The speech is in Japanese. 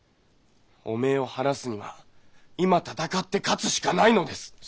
汚名を晴らすには今戦って勝つしかないのです。